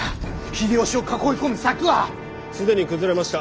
秀吉を囲い込む策は！既に崩れました。